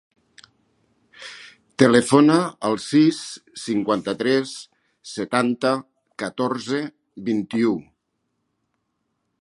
Telefona al sis, cinquanta-tres, setanta, catorze, vint-i-u.